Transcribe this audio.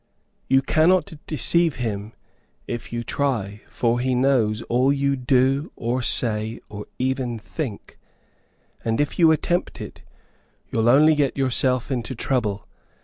You cannot deceive him if you try, for he knows all you do, or say, or even think; and if you attempt it, you'll only get yourself into trouble.